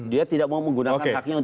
dia tidak mau menggunakan haknya untuk